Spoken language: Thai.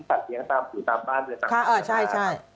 สัตว์เลี้ยงตามผิวตามบ้านหรือตามผิวผ้า